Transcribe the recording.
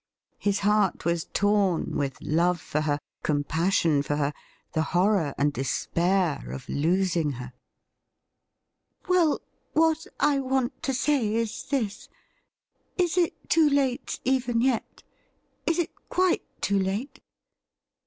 His heart was torn with love for her, compassion for her, the hoiTor and despair of losing her. 106 THE RIDDLE RING ' Well, what I want to say is this :' Is it too late even yet ? Is it quite too late